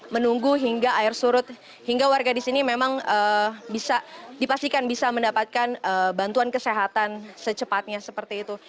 menunggu hingga air surut hingga warga di sini memang bisa dipastikan bisa mendapatkan bantuan kesehatan secepatnya seperti itu